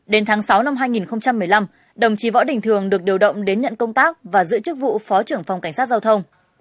đến tháng sáu năm hai nghìn một mươi năm đồng chí võ đình thường được điều động đến nhận công tác và giữ chức vụ phó trưởng phòng cảnh sát giao thông